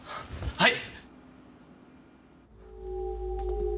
はい。